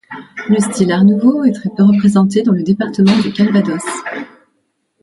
Le style Art Nouveau est très peu représenté dans le département du Calvados.